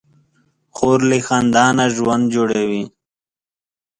خور له خندا نه ژوند جوړوي.